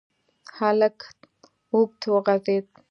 هلک اوږد وغځېد.